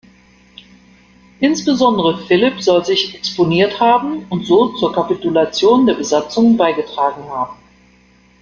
Insbesondere Philipp soll sich exponiert haben und so zur Kapitulation der Besatzung beigetragen haben.